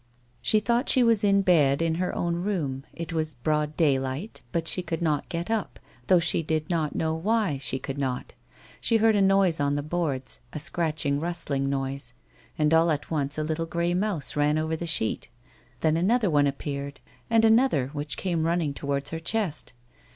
She thought she was in bed in her own room ; it was broad dajdight, but she could not get up, though slie did not know why she could not. She heard a noise on the boards — a scratching, rustling noise — and all at once a little grey mouse nin over the sheet. Then another one appeared, and another which came running towards her chest.